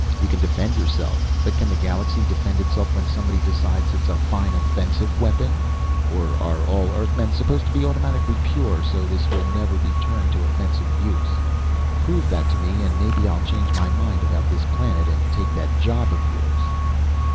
"You can defend yourself. But can the galaxy defend itself when somebody decides it's a fine offensive weapon? Or are all Earthmen supposed to be automatically pure, so this will never be turned to offensive use? Prove that to me and maybe I'll change my mind about this planet and take that job of yours!"